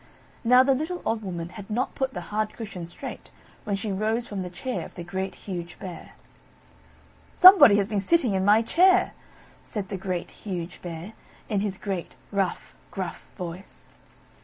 Now the little old Woman had not put the hard cushion straight when she rose from the chair of the Great, Huge Bear. "Somebody has been sitting in my chair!" said the Great, Huge Bear, in his great, rough, gruff voice.